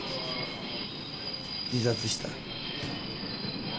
自殺した。